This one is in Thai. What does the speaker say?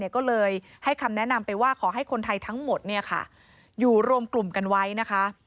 ก็เลยให้คำแนะนำไปว่าขอให้คนไทยทั้งหมดอยู่รวมกลุ่มกันไว้นะคะ